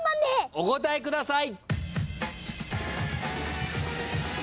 お答えください。